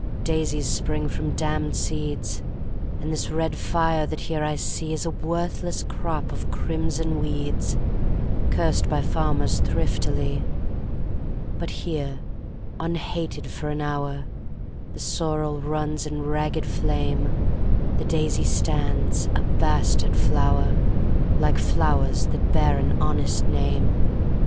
Daisies spring from damned seeds, And this red fire that here I see Is a worthless crop of crimson weeds, Cursed by farmers thriftily. But here, unhated for an hour, The sorrel runs in ragged flame, The daisy stands, a bastard flower, Like flowers that bear an honest name.